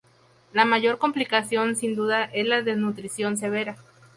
La mayor complicación sin duda es la desnutrición severa.